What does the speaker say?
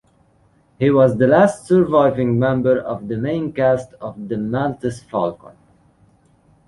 He was the last surviving member of the main cast of "The Maltese Falcon".